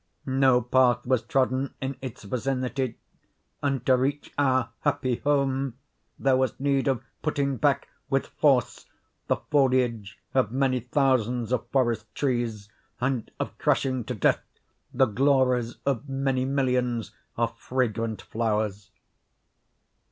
No path was trodden in its vicinity; and, to reach our happy home, there was need of putting back, with force, the foliage of many thousands of forest trees, and of crushing to death the glories of many millions of fragrant flowers.